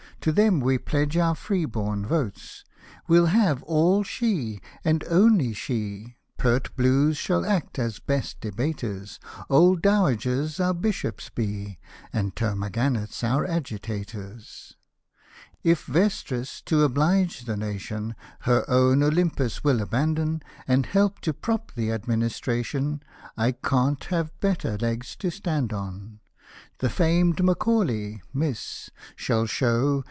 To them we pledge our free born votes ; We'll have all she, and only s/ie — Pert blues shall act as '* best debaters," Old dowagers our Bishops be, And termagants our Agitators. Hosted by Google 220 SATIRICAL AND HUMOROUS POEMS If Vestris, to oblige the nation, Her own Olympus will abandon, And help to prop th' Administration, It ca7tH have better legs to stand on. The famed Macaulay (Miss) shall show.